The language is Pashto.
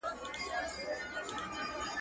که بورسیه وي نو غربت خنډ نه ګرځي.